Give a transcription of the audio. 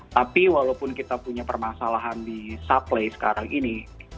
tapi walaupun kita punya permasalahan di supply sekarang ini